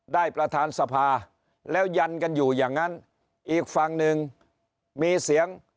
ประธานสภาแล้วยันกันอยู่อย่างนั้นอีกฝั่งหนึ่งมีเสียง